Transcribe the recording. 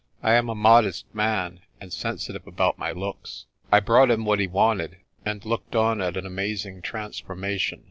I am a modest man, and sensitive about my looks." I brought him what he wanted, and looked on at an amazing transformation.